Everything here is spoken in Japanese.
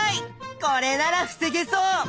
これなら防げそう！